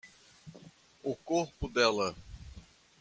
O corpo dela